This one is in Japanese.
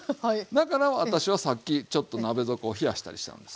だから私はさっきちょっと鍋底を冷やしたりしたんですよ。